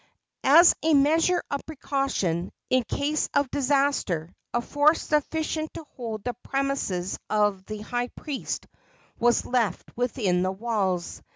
As a measure of precaution, in case of disaster, a force sufficient to hold the premises of the high priest was left within the walls.